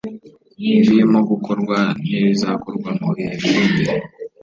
ibirimo gukorwa n’ibizakorwa mu bihe biri imbere